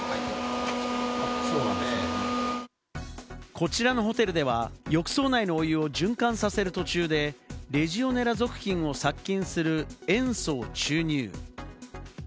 こちらのホテルでは、浴槽内のお湯を循環させる途中で、レジオネラ属菌を殺菌する塩素を注入。